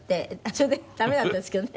それでダメだったんですけどね。